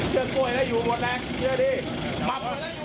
เชือกกล้วยได้อยู่หมดแน่เชื่อดิ